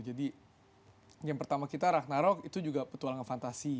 jadi game pertama kita ragnarok itu juga petualangan fantasi